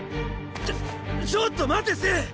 ちょちょっと待て政！